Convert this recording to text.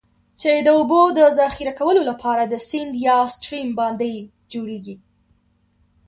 چې د اوبو د ذخیره کولو لپاره د سیند یا Stream باندی جوړیږي.